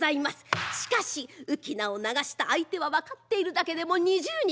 しかし浮き名を流した相手は分かっているだけでも２０人。